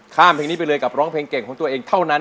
ข้ามเพลงนี้ไปเลยกับร้องเพลงเก่งของตัวเองเท่านั้น